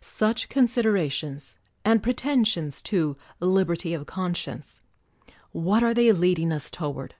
Such considerations, and pretensions to " lib erty of conscience/' what are they leading us toward?